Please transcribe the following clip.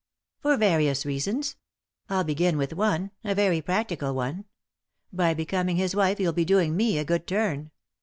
" For various reasons. I'll begin with one, a very practical one. By becoming bis wife you'll be doing me a good turn."